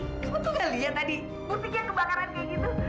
kamu tuh gak lihat tadi putihnya kebakaran kayak gitu